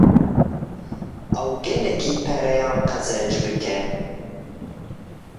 Ew gelekî pereyan qezenc bike.